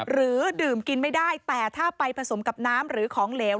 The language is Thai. หรือดื่มกินไม่ได้แต่ถ้าไปผสมกับน้ำหรือของเหลว